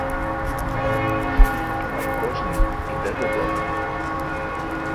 Хай кожний іде додому.